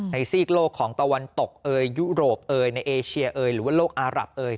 ซีกโลกของตะวันตกเอยยุโรปเอ๋ยในเอเชียเอยหรือว่าโลกอารับเอย